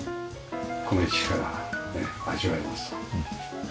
この位置からね味わえます。